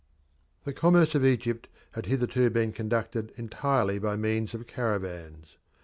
The commerce of Egypt had hitherto been conducted entirely by means of caravans.